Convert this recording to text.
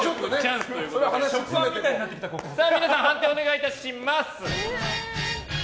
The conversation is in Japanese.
皆さん、判定をお願いします。